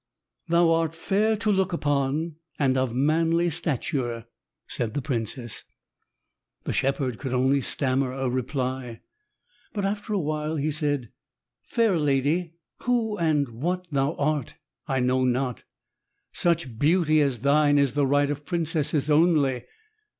"Thou art fair to look upon and of manly stature," said the princess. The shepherd could only stammer a reply, but after a while he said, "Fair lady, who and what thou art I know not. Such beauty as thine is the right of princesses only.